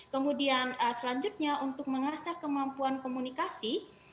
kemudian selanjutnya untuk mengasah kemampuan komunikasi